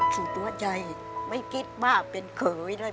จุดว่ายัยไม่คิดมากเป็นเขยเลย